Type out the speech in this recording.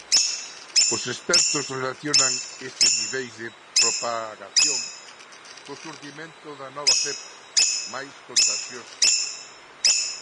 Os expertos relacionan estes niveis de propagación co xurdimento da nova cepa, máis contaxiosa.